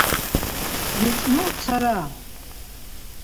вецӀну цара